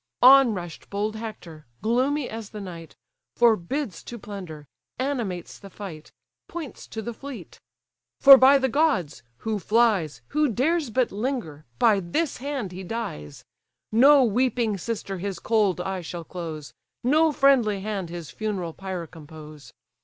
On rush'd bold Hector, gloomy as the night; Forbids to plunder, animates the fight, Points to the fleet: "For, by the gods! who flies, Who dares but linger, by this hand he dies; No weeping sister his cold eye shall close, No friendly hand his funeral pyre compose.